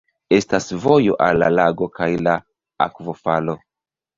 Estas vojo al la lago kaj la akvofalo.